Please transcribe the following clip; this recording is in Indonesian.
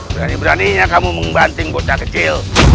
berani beraninya kamu membanting bocah kecil